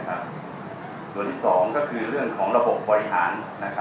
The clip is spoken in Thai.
ส่วนที่๒ก็คือเรื่องของระบบบริหาร